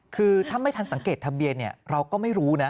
คือถ้าไม่ทันสังเกตทะเบียนเราก็ไม่รู้นะ